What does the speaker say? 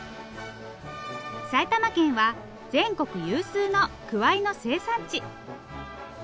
埼玉県は全国有数のくわいの生産地。